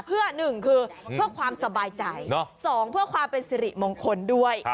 เพื่อ๑คือเพื่อความสบายใจ๒เพื่อความเป็นสิริมงคลด้วย